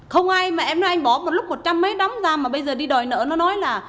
không ai mà em nói anh bỏ một lúc một trăm mấy nắm ra mà bây giờ đi đòi nợ nó nói là